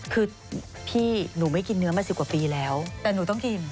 คือพี่หนูไม่กินเนื้อมา๑๐กว่าปีแล้วแต่หนูต้องกิน